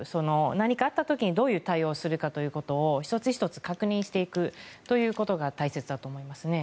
何かあった時に、どういう対応をするかということを１つ１つ確認していくということが大切だと思いますね。